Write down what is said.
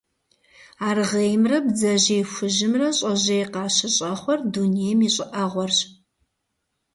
Аргъеймрэ бдзэжьей хужьымрэ щӀэжьей къащыщӀэхъуэр дунейм и щӀыӀэгъуэрщ.